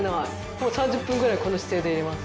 もう３０分ぐらいこの姿勢でいれます。